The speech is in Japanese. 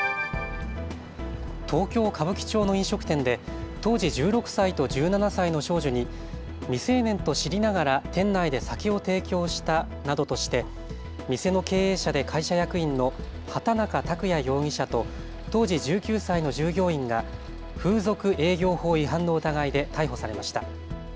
東京歌舞伎町の飲食店で当時１６歳と１７歳の少女に未成年と知りながら店内で酒を提供したなどとして店の経営者で会社役員の畑中卓也容疑者と当時１９歳の従業員が風俗営業法違反の疑いで逮捕されました。